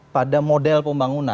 pada model pembangunan